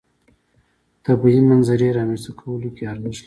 طبیعي منظرې رامنځته کولو کې ارزښت لري.